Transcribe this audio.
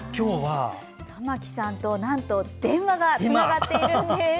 玉置さんと電話がつながっているんです。